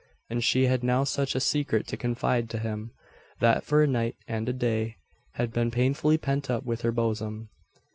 And she had now such a secret to confide to him; that for a night and a day had been painfully pent up within her bosom.